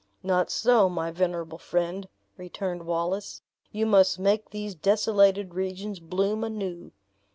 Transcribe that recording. "Not so, my venerable friend," returned Wallace; "you must make these desolated regions bloom anew!